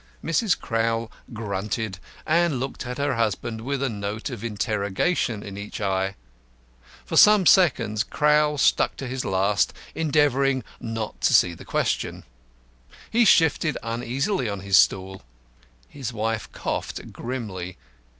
Mrs. Crowl grunted and looked at her husband with a note of interrogation in each eye. For some seconds Crowl stuck to his last, endeavouring not to see the question. He shifted uneasily on his stool. His wife coughed grimly.